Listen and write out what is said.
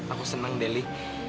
aku senang deli